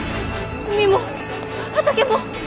海も畑も！